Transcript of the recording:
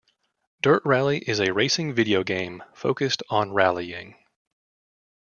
"Dirt Rally" is a racing video game focused on rallying.